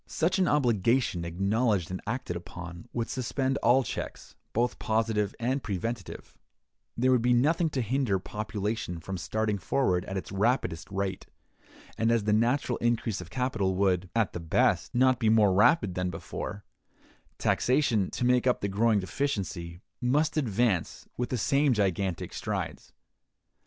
Such an obligation acknowledged and acted upon, would suspend all checks, both positive and preventive; there would be nothing to hinder population from starting forward at its rapidest rate; and as the natural increase of capital would, at the best, not be more rapid than before, taxation, to make up the growing deficiency, must advance with the same gigantic strides.